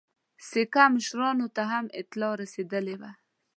سیکه مشرانو ته هم اطلاع رسېدلې وه.